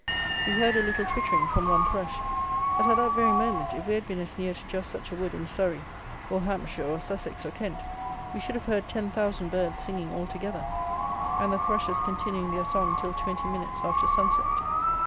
We heard a little twittering from one thrush; but at that very moment, if we had been as near to just such a wood in Surrey, or Hampshire, or Sussex, or Kent, we should have heard ten thousand birds singing altogether; and the thrushes continuing their song till twenty minutes after sunset.